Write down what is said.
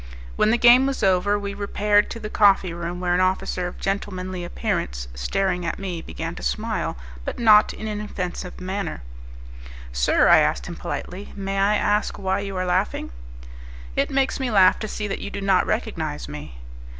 When the game was over, we repaired to the coffee room, where an officer of gentlemanly appearance, staring at me, began to smile, but not in an offensive manner. "Sir," I asked him, politely, "may I ask why you are laughing?" "It makes me laugh to see that you do not recognize me."